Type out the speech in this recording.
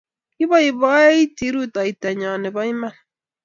Koipoipoiti rutoito nyo ne po iman.